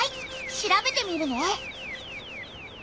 調べてみるね。